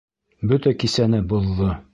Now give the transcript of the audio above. Бөтә кисәне боҙҙо!